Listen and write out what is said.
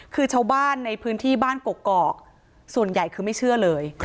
คือชาวบ้านในพื้นที่บ้านกกอกส่วนใหญ่คือไม่เชื่อเลย